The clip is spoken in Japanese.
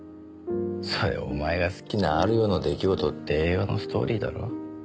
それお前が好きな『或る夜の出来事』って映画のストーリーだろ？